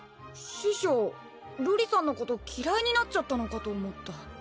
師匠瑠璃さんのこと嫌いになっちゃったのかと思った。